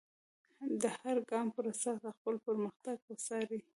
د هر ګام پر اساس خپل پرمختګ وڅارئ.